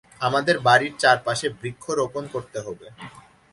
আমাদের বাড়ির চারপাশে বৃক্ষরোপণ করতে হবে।